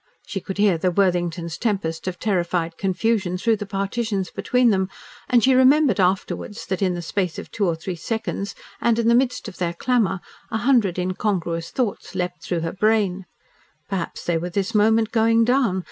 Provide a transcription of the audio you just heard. She could hear the Worthingtons' tempest of terrified confusion through the partitions between them, and she remembered afterwards that in the space of two or three seconds, and in the midst of their clamour, a hundred incongruous thoughts leaped through her brain. Perhaps they were this moment going down.